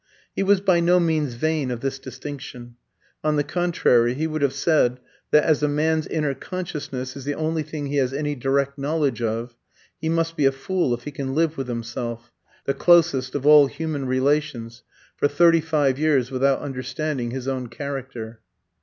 He was by no means vain of this distinction; on the contrary, he would have said that as a man's inner consciousness is the only thing he has any direct knowledge of, he must be a fool if he can live with himself the closest of all human relations for thirty five years without understanding his own character.